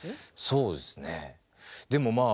そうですね。